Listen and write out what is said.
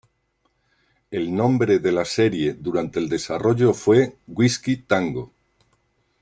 El nombre de la serie durante el desarrollo fue "Whiskey Tango".